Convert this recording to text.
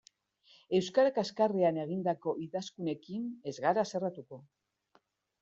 Euskara kaxkarrean egindako idazkunekin ez gara haserretuko.